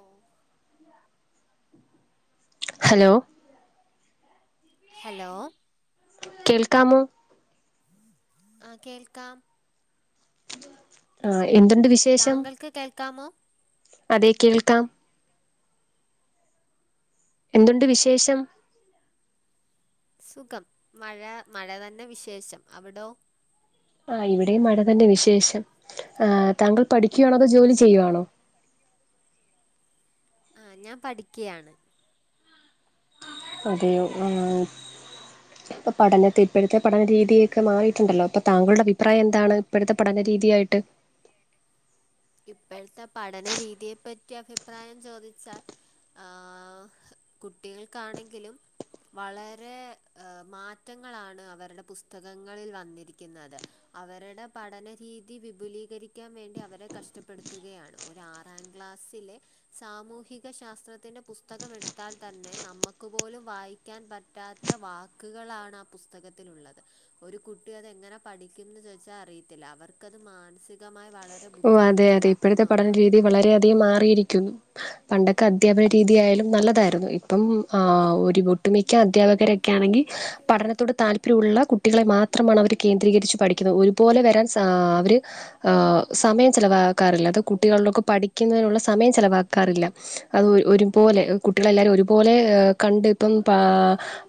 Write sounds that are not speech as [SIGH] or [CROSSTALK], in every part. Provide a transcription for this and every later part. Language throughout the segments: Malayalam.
ഓ ഹലോ ഹലോ കേൾക്കാമോ ആഹ് കേൾക്കാം ആഹ് എന്തുണ്ട് വിശ് താങ്കൾക്ക് കേൾക്കാമോ അതെ കേൾക്കാം എന്തുണ്ട് വിശേഷം സുഖം മഴ മഴ തന്നെ വിശേഷം അവിടോ ആഹ് ഇവിടെയും മഴ തന്നെ വിശേഷം. ആഹ് താങ്കൾ പഠിക്കുവാണോ അതോ ജോലി ചെയ്യുവാണോ ആഹ് ഞാൻ പഠിക്കയാണ് അതെയോ ആഹ് ഇപ്പ പഠനത്തെ ഇപ്പഴത്തെ പഠന രീതിയൊക്കെ മാറീട്ടുണ്ടല്ലോ ഇപ്പ താങ്കളുടെ അഭിപ്രായം എന്താണ് ഇപ്പോഴത്തെ പഠന രീതിയായിട്ട് ഇപ്പോഴത്തെ പഠന രീതിയെ പറ്റി അഭിപ്രായം ചോദിച്ചാൽ ആഹ് കുട്ടികൾക്കാണെങ്കിലും വളരെ അ മാറ്റങ്ങളാണ് അവരുടെ പുസ്തകങ്ങളിൽ വന്നിരിക്ക്ന്നത്. അവരുടെ പഠനരീതി വിപുലീകരിക്കാൻ വേണ്ടി അവരെ കഷ് ഷ്ടപ്പെടുത്തുകയാണ് ഒരു ആറാം ക്ലാസ്സിലെ സാമൂഹിക ശാസ്ത്രത്തിന്റെ പുസ്തകം എടുത്താൽ തന്നെ നമ്മക്ക് പോലും വായി ക്കാൻ പറ്റാത്ത വാക്കുകളാണ് ആ പുസ്തകത്തിലുള്ളത്. ഒരു കുട്ടി അത് എങ്ങനെ പഠിക്കുംന്ന് ചോദിച്ചാൽ അറിയത്തില്ല. അവർക്കത് മാനസികമായി വളരെ ബുദ് ഓ അതെ അതെ ഇപ്പഴത്തെ പഠന രീതി വളരെയധികം മാറിയിരിക്കുന്നു. പണ്ടൊക്കെ അധ്യാപന രീതിയായാലും നല്ലതായിരുന്നു. ഇപ്പം ആഹ് ഒരു ഒട്ടുമിക്ക അധ്യാപകരെ ക്കാണെങ്കി പഠനത്തോട് താല്പര്യുള്ള കുട്ടികളെ മാത്രമാണ് അവർ കേന്ദ്രീകരിച്ച് പഠിക്കുന്നത് ഒരു പോലെ വരാൻ സാ അവര് ആഹ് സമയം ചെലവാക്കാറില്ല അത് കുട്ടികളിലൊക്കെ പഠിക്കുന്നതിനുള്ള സമയം ചെലവാക്കാറില്ല. അത് ഒരുപോലെ കുട്ടികളെല്ലാരും ഒരുപോലെ കണ്ട് ഇപ്പം പാ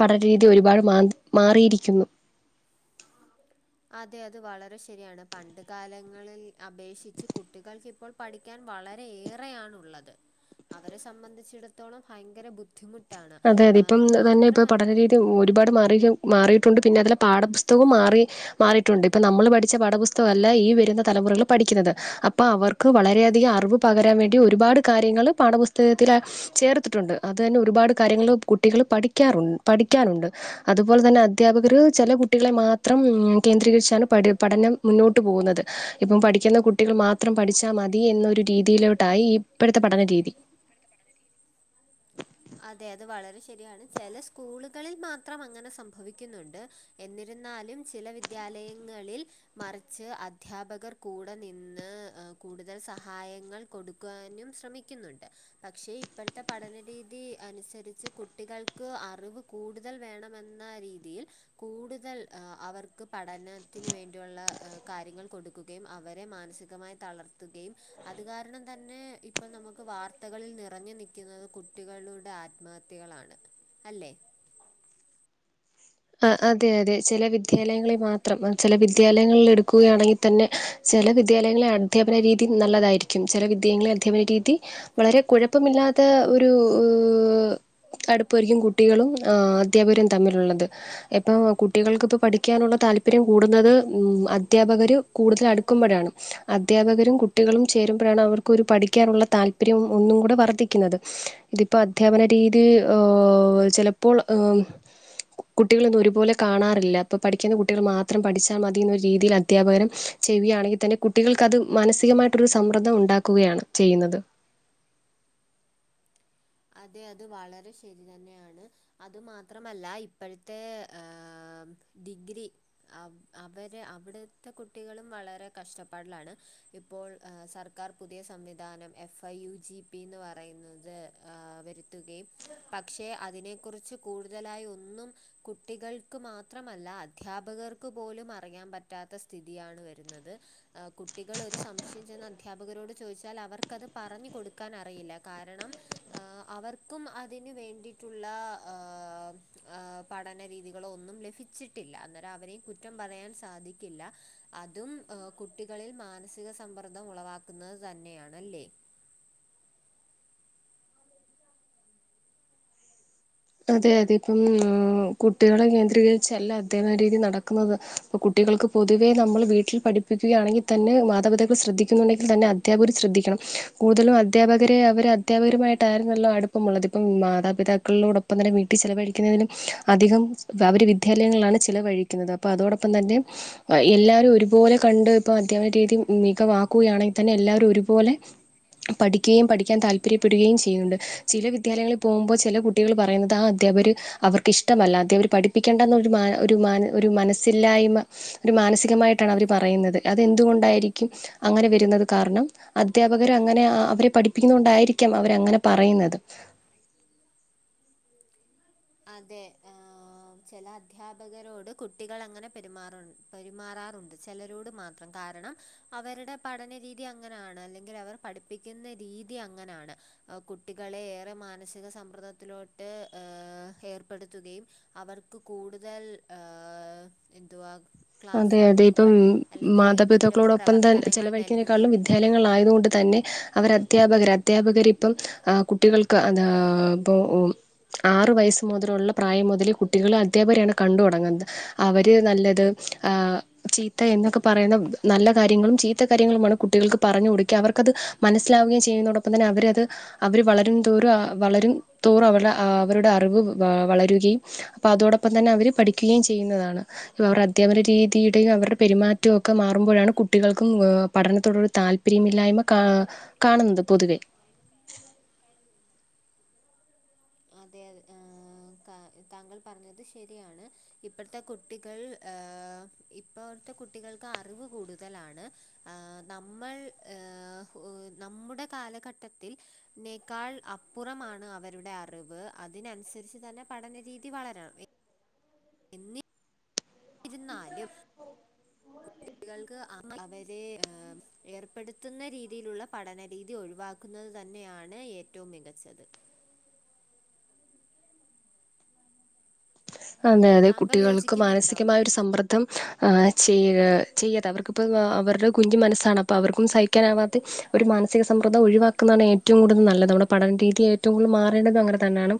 പഠന രീതി ഒരുപാട് മാ മാറിയിരിക്കുന്നു അതെ അത് വളരെ ശരിയാണ് പണ്ട് കാലങ്ങളിൽ അപേക്ഷിച്ച് കുട്ടികൾക്കിപ്പോൾ പഠിക്കാൻ വളര ഏറെയണുള്ളത് അവരെ സംബന്ധിച്ചിടത്തോളം ഭയങ്കര ബുദ്ധിമുട്ട് ട്ടാണ് അതെ അതെ ഇപ്പം അത് തന്നെ ഇപ്പ മാത്രമല്ല പഠനരീതി ഒരുപാട് മാറീത് മാറിയിട്ടുണ്ട് പിന്നതില് പാഠപുസ്തകൊ മാറി. മാറിട്ടുണ്ട് ഇപ്പൊ നമ്മൾ പഠിച്ച പഠപുസ്തകല്ല ഈ വരുന്ന തലമുറകൾ പഠിക്കുന്നത്. അപ്പ അവർക്ക് വളരെയധിക അറവ് പകരാൻ വേണ്ടി ഒരുപാട് കാര്യങ്ങള് പാഠപുസ്തകത്തില ചേർത്തിട്ടുണ്ട് അത് തന്നെ ഒരുപാട് കാര്യങ്ങളിൽ കുട്ടികള് പഠിക്കാറുൺ പഠിക്കാനുണ്ട്. അതുപോലെ തന്നെ അദ്ധ്യാപകർ ചെല കുട്ടികളെ മാത് ത്രം കേന്ദ്രീകരിച്ചാണ് പടി പഠനം മുന്നോട്ട് പോകുന്നത്. ഇപ്പം പഠിക്കുന്ന കുട്ടികൾ മാ ത്രം പഠിച്ചാ മതി എന്നൊരു രീതിയിലോട്ടായി ഇപ്പോഴത്തെ പഠന രീതി. അതെ അത് വളരെ ശരിയാണ്. ചെല സ്കൂളുകളിൽ മാത്രം അങ്ങനെ സംഭവിക്കുന്നുണ്ട്. എന്നിരുന്നാലും ചില വിദ്യാലയങ്ങളിൽ മറിച്ച് അധ്യാപകർ കൂടെ നിന്ന് കൂടുതൽ സഹായങ്ങൾ കൊടുക്കുവാനും ശ്രമിക്കുന്നുണ്ട് പക്ഷേ ഇപ്പോഴ്ത്തെ പഠനരീതി അനുസരിച്ച് കുട്ടികൾക്ക് അറിവ് കൂടുതൽ വേണമെന്ന രീതിയിൽ കൂടുതൽ ആഹ് അവർക്ക് പഠനത്തിന് വേണ്ടിയുള്ള എഹ് കാര്യങ്ങൾ കൊടു കയും അവരെ മാനസികമായി തളർത്തുകയും അത് കാരണം തന്നെ ഇ ഇപ്പ നമുക്ക് വാർത്തകളിൽ നിറഞ്ഞു നിക്കുന്നത് കുട്ടികളുടെ ആത്മഹത്യകളാണ് അല്ലേ? ആഹ് അതെ അതെ ചെല വിദ്യാലയങ്ങളി മാത്രം അചെല വിദ്യാലയങ്ങളിലെടുക്കുകയാണെങ്കി തന്നെ ചെല വിദ്യാലയങ്ങളെ അധ്യപന രീതി നല്ലതായിരിക്കും ചെല വിദ്യായങ്ങളെ അധ്യാപന രീതി വളരെ കുഴപ്പമില്ലാത്ത ഒരു അ് അടുപ്പായിരിക്കും കുട്ടികളും ഏഹ് അധ്യാപകരും തമ്മിലുള്ളത്. ഇപ്പൊ കുട്ടികൾക്ക്പ്പോ പഠിക്കാനുള്ള താല്പര്യം കൂടുന്നത് ഉഹ് അദ്ധ്യാപകര് കൂടുതലടുക്കുമ്പൊഴാണ്. അധ്യാപകരും കുട്ടികളും ചേരുമ്പൊഴാണ് അവർക്കൊരു പഠിക്കാനുള്ള താല്പര്യം ഒന്നും കൂടെ വർദ്ധിക്കുന്നത്. ഇതിപ്പോ അധ്യാപന രീതി ഓഹ് ചെലപ്പോൾ ഏഹ് കുട്ടികളൊന്നും ഒരുപോലെ കാണാറില്ല. അപ്പൊ പഠിക്കുന്ന കുട്ടികൾ മാത്രം പഠിച്ചാ മതി എന്നൊരു രീതീൽ അധ്യാപകരും ചെയ്യാണെങ്കി തന്നെ കുട്ടികൾക്കത് മാനസികമായിട്ടൊരു സമ്മർദ്ദം ഉണ്ടാക്കുകയാണ് ചെയ്യുന്നത്. അതെ അത് വളരെ ശരി തന്നെയാണ്. അതു മാത്രമല്ല ഇപ്പഴ്ത്തെ എഹ് ഡിഗ്രി അവ് അവരെ അവിടുത്തെ കുട്ടികളും വളരെ കഷ്ടപ്പാടിലാണ്. ഇപ്പോൾ എ സർക്കാർ പുതിയ സംവിധാനം F I U G P ന്ന് പറയുന്നത് ആഹ് വരുത്തുകയും പക്ഷെ അതിനെ കുറിച്ച് കൂടുതലായി ഒന്നും കുട്ടികൾക്ക് മാത്രമല്ല അധ്യാപകർക്ക് പോലും അറിയാൻ പറ്റാത്ത സ്ഥിതിയാണ് വരുന്നത്. കുട്ടികൾ ഒരു സംശയ ചെന്ന് അധ്യാപകരോട് ചോയിച്ചാൽ അവർക്കത് പറഞ്ഞു കൊടുക്കാനറിയില്ല കാരണം ആഹ് അവർക്കും അതിന് വേണ്ടിട്ടുള്ള ആഹ് ആഹ് പഠനരീതികളൊന്നും ലഭിച്ചിട്ടില്ല. അന്നരം അവരെയും കുറ്റം പറയാൻ സാധിക്കില്ല. അതും അഹ് കുട്ടികളിൽ മാനസിക സമ്മർദ്ദം ഉളവാക്കുന്നത് തന്നെയാണല്ലേ? അതെ അതെ കും എഹ് കുട്ടികളെ കേന്ദ്രീകരിച്ചല്ല അധ്യാപന രീതി നടക്കുന്നത്. പ്പ കുട്ടികൾക്ക് പൊതുവേ നമ്മൾ വീട്ടിൽ പഠിപ്പിക്കയാണെങ്കി തന്നെ മാതാപിതാക്കൾ ശ്രദ്ധിക്കുന്നുണ്ടെങ്കി തന്നെ അ അധ്യാപകർ ശ്രദ്ധിക്കണം കൂടുതലും അധ്യാപകരെ അവർ അധ്യാപകരുമായിട്ടായിരുന്നല്ലോ അടുപ്പമുള്ളത്. പ്പം മാതാപിതാക്കള്ളോട പ്പങ്ങന്നെ വീട്ടി ചിലവഴിക്കുന്നതിലും അധികം അവർ വിദ്യാലയങ്ങളിലാണ് ചെലവഴിക്കുന്നത് അപ്പോ അതോടൊപ്പം തന്നെ അഹ് എല്ലാരൊരുപോലെ കണ്ട് ഇപ്പ അധ്യാപന രീതി മികവാക്കുകയാണെങ്കി തന്നെ എല്ലാരൊരുപോലെ പഠിക്കുകയും പഠിക്കാൻ താല്പര്യപ്പെടുകയും ചെയ്യുണ്ട്. ചില വിദ്യാലങ്ങളിൽ പോകുമ്പോ ചില കുട്ടികൾ പറയുന്നത് ആ അധ്യാപകര് അവർക്ക് ഇഷ്ടമല്ലാത അവര് പഠിപ്പിക്കേണ്ടന്നൊരു മാന് ഒരുമാന് ഒരു മനസ്സില്ലായ്മ ഒരു മാനസികമായിട്ടാണ് അവര് പറയുന്നത് അതെന്തുകൊണ്ടായിരിക്കും അങ്ങനെ വരുന്നത് കാരണം? അധ്യാപകരങ്ങനെ അ അവരെ പഠിപ്പിക്കുന്ന കൊണ്ടായിരിക്കും അവരങ്ങനെ പറയുന്നത്. അതെ ആഹ് ചെല അദ്ധ്യാപകരോട് കുട്ടികൾ അങ്ങനെ പെരുമാറു പെരുമാറാറുണ്ട്, ചെലരോട് മാത്രം കാരണം. അവരുടെ പഠനരീതി അങ്ങനാണ് അല്ലെങ്കിൽ അവര് പഠിപ്പിക്കുന്ന രീതി അങ്ങനാണ്. കുട്ടികളെ ഏറെ മാനസിക സമ്മർദ്ദത്തിലോട്ട് ഏഹ്. ഏർപ്പെടുത്തുകയും അവർക്ക് കൂടുതൽ ഏഹ് എന്തുവാ. ക്ലാസ് അതെ അതെ ഇപ്പം വർക്കുകൾ അല്ലെങ്കിൽ എന്തെങ്കിലുമൊക്കെ മാതാപിതാക്കളോടൊപ്പം താൻ പ്രവർത്തനങ്ങൾ ചെലവഴിക്കനേക്കാളിലും നൽകുകയും വിദ്യാ വിദ്യാലയങ്ങളായതുകൊണ്ട് തന്നെ അവര് അധ്യാപകർ, അധ്യാപകർ ഇപ്പം ആഹ് കുട്ടികളെ. ക്ക് അതാ ഇപ്പൊ ഓ. ആറു വയസ്സ് മുതലുള്ള പ്രായം മുതലേ കുട്ടികള് അധ്യാപകരെയാണ് കണ്ട് തുടങ്ങുന്നത്. അവര് നല്ലത് ആഹ്. ചീത്ത എന്നൊക്കെ പറയുന്ന നല്ല കാര്യങ്ങളും ചീത്ത കാര്യങ്ങളുമാണ് കുട്ടികൾക്ക് പറഞ്ഞു കൊടുക്കുക അവർക്കാത്. മനസ്സിലാവുകയും ചെയ്യുന്നോടൊപ്പം തന്നെ അവര് അത്. അവര് വളരും തോറും വളരും തോറും ആഹ് അവരുടെ അറിവ് വളരുകയും. അപ്പൊ അതോടൊപ്പം തന്നെ അവര് പഠിക്കുകയും ചെയ്യുന്നതാണ് ഇവര്. അധ്യാപന രീതിയുടെയും അവരുടെ പെരുമാറ്റവും ഒക്കെ മാറുമ്പോഴാണ് കുട്ടികൾക്കും പഠനത്തോടൊരു താല്പര്യം. താല്പര്യമില്ലായ്മ കാ കാണുന്നത്, പൊതുവെ. അതെ അതെ ആഹ് കാ താങ്കൾ പറഞ്ഞത് ശരിയാണ്. ഇപ്പോഴത്തെ കുട്ടികൾ ഏഹ് ഇപ്പോഴത്തെ കുട്ടികൾക്ക് അറിവ് കൂടുതലാണ്. ആഹ് നമ്മൾ ഏഹ് നമ്മുടെ കാലഘട്ടത്തിൽ. നേക്കാൾ അപ്പുറമാണ് അവരുടെ അറിവ്, അതിനനുസരിച്ച് തന്നെ പഠനരീതി വളരണം. എന്നീ ഇരുന്നാലും കുട്ടികൾക്ക് അവരെ ഏർപ്പെടുത്തുന്ന രീതിലുള്ള പഠനരീതി ഒഴിവാക്ക ക്കുന്നത് തന്നെയാണ് ഏറ്റവും മികച്ചത്. അതെ അതെ താങ്കൾ കുട്ടികൾക്ക് യോജിക്കുന്നുണ്ടോ മാനസികമായൊരു സമ്മർ ദ്ധം ചെയ്യ് ചെയ്യാതെ അവർക്കിപ്പം അവരുടെ കുഞ്ഞി മനസ്സാണ് അപ്പം അവർക്കും സഹി ക്കാനാവാത്ത ഒരു മാനസിക സമ്മർദ്ദം ഒഴിവാക്കുന്നാണ് ഏറ്റവും കൂടുതൽ നല്ലത് നമ്മുടെ പഠനരീതിയെ. ഏറ്റവും കൂടുതൽ മാറേണ്ടതും അങ്ങനെ തന്നെയാണ്,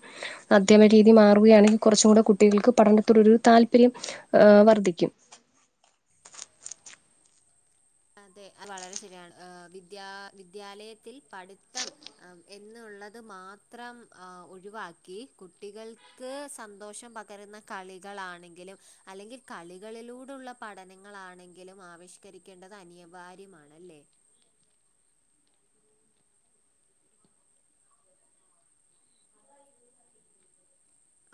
അധ്യാപനരീതി മാറുകയാണെങ്കിൽ കൊറച്ചുക്കൂടി കു കുട്ടികൾക്ക് പഠനത്തോട് ഒരു താല്പര്യം ആഹ് വർദ്ധിക്കും. അതെ അത് വളരെ ശരിയാണ്, ഏഹ് വിദ്യാ വിദ്യാലയത്തിൽ പഠിത്തം. ആഹ് എന്നുള്ളത് മാത്രം ആഹ് ഒഴിവാക്കി കുട്ടികൾ. ക്ക് സന്തോഷം പകരുന്ന കളികളാണെങ്കിലും അല്ലെങ്കിൽ കളികളിലൂടെയുള്ള. പഠനങ്ങളാണെങ്കിലും ആവിഷ്കരിക്കേണ്ടത് അനിവാര്യമാണ് അല്ലേ.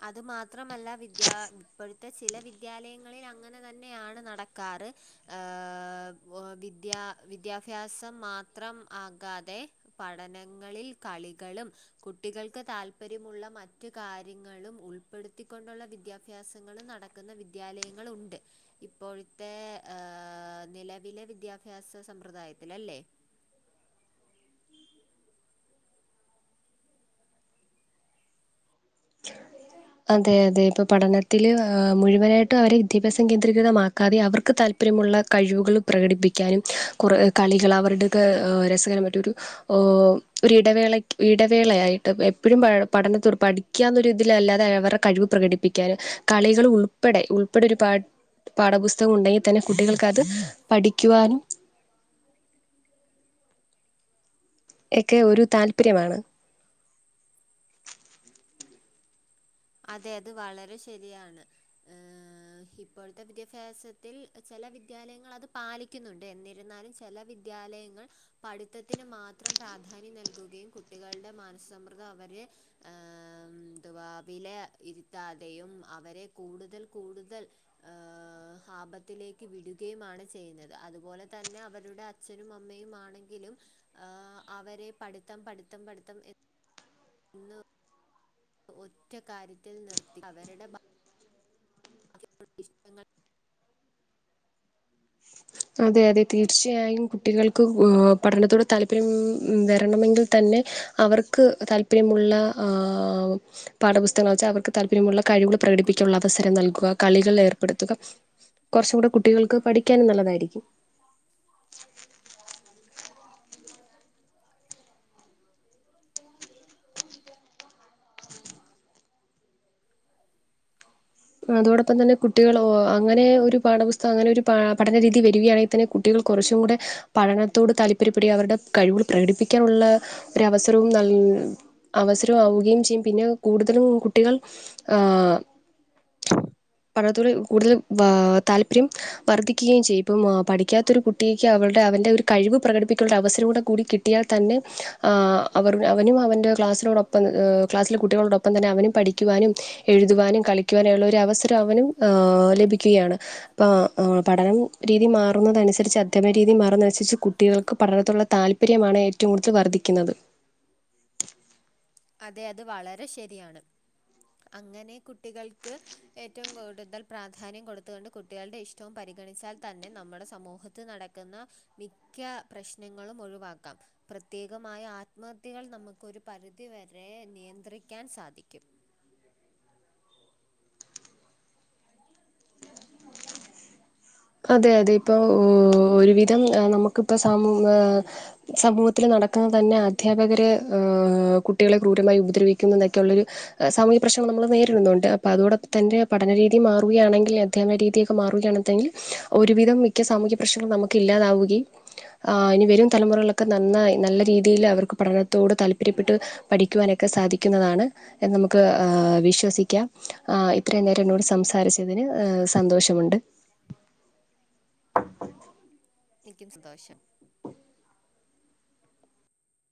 അതു മാത്രമല്ല വിദ്യാ ഇപ്പഴത്തെ ചില വിദ്യാലയങ്ങളിൽ അങ്ങനെ തന്നെയാണ് നട ക്കാറ് ഏഹ് വോ വിദ്യാ വിദ്യാഭ്യാസം മാത്രം ആകാതെ. പഠനങ്ങളിൽ കളികളും കുട്ടികൾക്ക് താല്പര്യമുള്ള മറ്റ് കാര്യ ങ്ങളും ഉൾപ്പെടുത്തിക്കൊണ്ടുള്ള വിദ്യാഭ്യാസങ്ങളും നടക്കുന്ന വിദ്യാലയങ്ങളുണ്ട്. ഇപ്പോഴത്തെ ആഹ് നിലവിലെ വിദ്യാഭ്യാസ സമ്പ്രദായത്തിൽ അല്ലേ. അതെ അതെ ഇപ്പൊ പഠനത്തില് മുഴുവനായിട്ടും അവരെ വിദ്യാഭ്യസം കേന്ദ്രീകൃതമാക്കാതെ അവർക്ക് താല്പ പ്പര്യമുള്ള കഴിവുകൾ പ്രകടിപ്പിക്കാനും, കുറെ കളികൾ അവരുടെത് രസകരമായിട്ട് ഒരു. ഓ ഒരു ഇടവേള ഇടവേളയായിട്ട് എപ്പോഴും പ പഠനത്തോട് പഠിക്കാന്നൊരു ഇതിലല്ലാതെ. തെ അവരുടെ കഴിവ് പ്രകടിപ്പിക്കാന്, കളികൾ ഉൾപ്പെടെ ഉൾപ്പെടെ ഒരുപാട്. പാഠപുസ്തകം ഉണ്ടെങ്കിൽ തന്നെ കുട്ടികൾക്ക് അത് പഠിക്കുവാനും. എക്കെ ഒരു താല്പര്യമാണ്. അതെ അത് വളരെ ശരിയാണ്. ഏഹ് ഇപ്പോഴത്തെ വിദ്യാഭ്യാസത്തിൽ ചെല വിദ്യാലയങ്ങൾ അത് പാലി ക്കുന്നുണ്ട് എന്നിരുന്നാലും ചെല വിദ്യാലയങ്ങൾ. പഠിത്തത്തിന് മാത്രം പ്രാധാന്യം നൽകുകയും കുട്ടികളുടെ മാനസിസമ്മർദ്ദം അവര്. ഏഹ് എന്തുവാ. വില ഇരുത്താതെയും അവരെ കൂടുതൽ കൂടുതൽ. ഏഹ് ആപത്തിലേക്ക് വിടുകയുമാണ് ചെയ്യുന്നത്, അതുപോലെ തന്നെ അവരുടെ അച്ഛ അച്ഛനും അമ്മയും ആണെങ്കിലും അവരെ പഠിത്തം പഠിത്തം പഠിത്തം എ ന്ന ഒറ്റ കാര്യത്തിൽ നിർത്തി അവരുടെ അ ഇഷ്ടങ്ങൾ അതെ അതെ തീർച്ചയായും കുട്ടികൾക്ക് പഠനത്തോട് താല്പര്യം വരണമെങ്കിൽ തന്നെ അവർക്ക് താല്പര്യമുള്ള പാഠപുസ്തകങ്ങള് വെച്ചാൽ അവർക്ക് താല്പര്യമുള്ള കഴിവുകൾ കുട്ടികൾ പ്രകടിപ്പിക്കാനുള്ള അവസരം നൽകുക കളികൾ ഏർ ടുത്തുക കുറച്ചും കൂടെ കുട്ടികൾക്ക് പഠിക്കാനും നല്ലതായിരിക്കും [INAUDIBLE] അതോടൊപ്പം തന്നെ കുട്ടികൾ അങ്ങനെ ഒരു പാഠപുസ്തകം അങ്ങനെ ഒരു പഠനരീതി വരികയാണെ തന്നെ കുട്ടികൾ കുറച്ചും കൂടെ പഠനത്തോട് താല്പര്യപ്പെടുകയും അവരുടെ കഴിവുകൾ പ്രകടിപ്പിക്കാനുള്ള ഒരവസരവും ന അവസരവും ആവുകയും ചെയ്യും പിന്നെ കൂടുതലും കുട്ടികൾ ആഹ് പഠനത്തോട് കൂടുതൽ താല്പര്യം വർദ്ധിക്കുകയും ചെയ്യും ഇപ്പ പഠിക്കാത്തൊരു കുട്ടിക്ക് അവളുടെ അവന്റെ ഒരു ഒരു കഴിവ് പ്രകടിപ്പിക്കാനൊരു അവസരം കൂടെ കൂടി കി കിട്ടിയാൽ തന്നെ അവർ അവനും അവന്റെ ക്ലാസിനോടൊപ്പം ക്ലാസ്സിലെ കുട്ടികളോടൊ പ്പം തന്നെ അവനും പഠിക്കുവാനും എഴുതുവാനും കളിക്കുവാനും ഉള്ള ഒരു അവസരം അവനും ലഭിക്കുകയാണ് ഇപ്പം പഠനം രീതി മാറുന്നതനുസരിച്ച് അധ്യയന രീതി മാറുന്നനുസരിച്ച് കുട്ടികൾക്ക് പഠനത്തിലുള്ള താ ല്പര്യമാണ് ഏറ്റവും കൂടുതൽ വർദ്ധിക്കുന്നത് അതെ അത് വളരെ ശരിയാണ് അങ്ങനെ കുട്ടികൾക്ക് ഏറ്റവും കൂടുതൽ പ്രാധാന്യം കൊടുത്തുകൊണ്ട് കുട്ടികളുടെ ഇഷ്ടവും പരിഗണിച്ചാൽ തന്നെ നമ്മുടെ സമൂഹ ത്തിൽ നടക്കുന്ന മിക്ക പ്രശ്നങ്ങളും ഒഴിവാക്കാം പ്രത്യേകമായ ആത്മഹത്യകൾ നമുക്ക് ഒരു പരിധിവരെ നിയന്ത്രിക്കാൻ സാധിക്കും അതെ അതെ ഇപ്പൊ ഒരു വിധം നമുക്കിപ്പ സമൂഹ ഏ സമൂഹത്തിൽ നടക്കുന്നത് തന്നെ അദ്ധ്യാപകര് കുട്ടികളെ ക്രൂരമായി ഉപദ്രവിക്കുന്നതൊക്കെ ഒള്ളൊരു സാമൂഹ്യ പ്രശ്നങ്ങനങ്ങൾ നമ്മള് നേരിടുന്നുണ്ട് അപ്പൊ അതോടൊപ്പം തന്റെ പഠനരീതി മാറുകയാണെങ്കിൽ അദ്ധ്യായന രീതിയൊക്കെ മാറുകയാണെന്നെങ്കില് ഒരുവിധം മിക്ക സാമൂഹ്യ പ്രശ്നങ്ങൾ നമുക്ക് ഇല്ലാതാവുകയും ആഹ് ഇനി വരും തലമുറകളൊക്കെ നന്നായി നല്ല രീതിയിൽ അവർക്ക് പഠനത്തോട് താല്പര്യപ്പെട്ട് പഠിക്കുവാനൊക്കെ സാധിക്കുന്നതാണ് എന്ന് നമുക്ക് വിശ്വസിക്കാം ആഹ് ഇത്രയും നേരം എന്നോട് സംസാരിച്ചതിന് സന്തോഷമുണ്ട് എനിക്കും സന്തോഷം